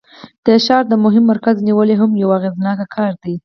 د ښار د مهم مرکز نیول هم یو اغیزناک کار دی.